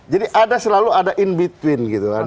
jadi ada selalu ada in between gitu kan